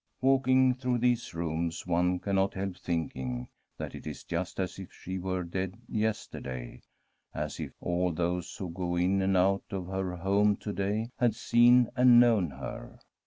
Walking through these rooms, one cannot help thinking that it is just as if she were dead yesterday, as if all those who go in and out of her home to day had seen and known her.